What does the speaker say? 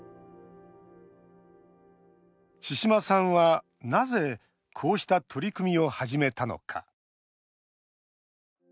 千嶋さんはなぜこうした取り組みを始めたのか。